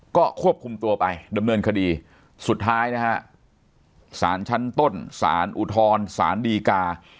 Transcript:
ก็ควบคุมตัวไปดำเนินคดีสุดท้ายนะฮะสารชั้นต้นสารอุทธรสารดีกา